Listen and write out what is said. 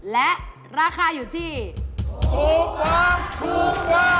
และราคาอยู่ที่ถูกป่ะถูกป่ะ